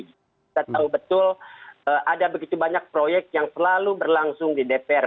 kita tahu betul ada begitu banyak proyek yang selalu berlangsung di dpr